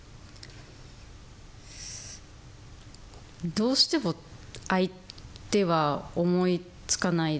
どうしても相手は思いつかないですね。